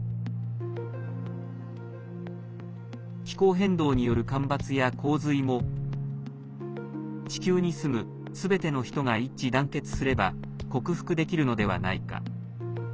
気候変動による干ばつや洪水も地球に住むすべての人が一致団結すれば克服できるのではないか。